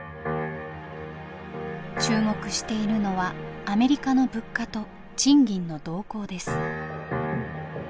注目しているのはアメリカの物価と賃金の動向です。